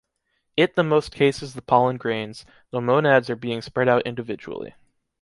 It the most cases the pollen grains, the "Monads" are being spread out individually.